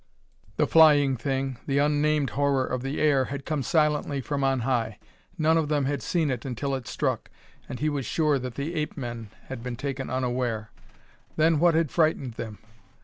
The flying thing, the unnamed horror of the air, had come silently from on high. None of them had seen it until it struck, and he was sure that the ape men had been taken unaware. Then what had frightened them?